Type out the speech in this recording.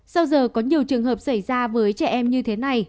sau giờ có nhiều trường hợp xảy ra với trẻ em như thế này